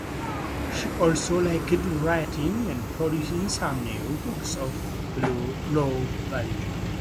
She also liked writing and producing some new books of low value.